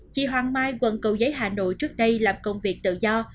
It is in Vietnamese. chị hoàng mai quận cầu giấy hà nội trước đây làm công việc tự do